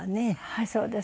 はいそうですね。